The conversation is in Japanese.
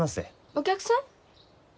お客さん？